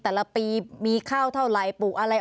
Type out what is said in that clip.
แต่ละปีมีข้าวเท่าไหร่ปลูกอะไร